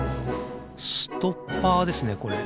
ストッパーですねこれ。